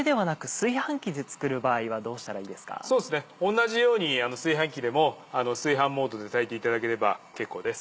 同じように炊飯器でも炊飯モードで炊いていただければ結構です。